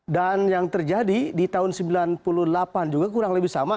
dan yang terjadi di tahun seribu sembilan ratus sembilan puluh delapan juga kurang lebih sama